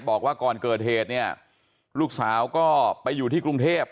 บอกว่าก่อนเกิดเหตุเนี่ยลูกสาวก็ไปอยู่ที่กรุงเทพ